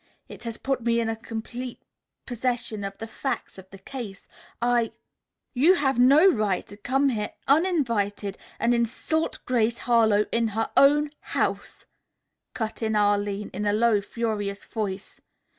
It has put me in complete possession of the facts of the case. I " "You have no right to come here uninvited and insult Grace Harlowe in her own house," cut in Arline in a low, furious voice.